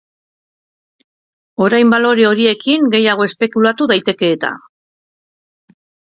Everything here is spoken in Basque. Orain balore horiekin gehiago espekulatu daiteke eta.